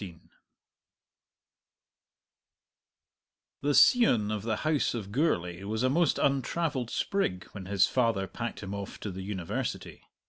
The scion of the house of Gourlay was a most untravelled sprig when his father packed him off to the University.